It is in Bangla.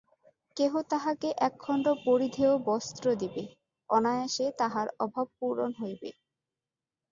কেহ তাহাকে একখণ্ড পরিধেয় বস্ত্র দিবে, অনায়াসে তাহার অভাবপূরণ হইবে।